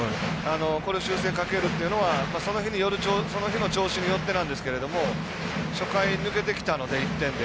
これを修正かけるというのはその日の調子によってなんですが初回抜けてきたので１点で。